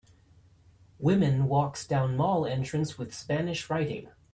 Women walks down mall entrance with Spanish writing.